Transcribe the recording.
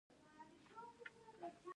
هغه هغې ته د موزون پسرلی ګلان ډالۍ هم کړل.